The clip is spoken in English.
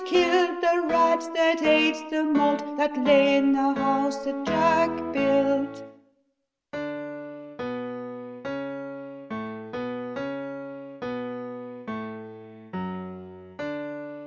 killed the rat that ate the malt that lay in the house that Jack built.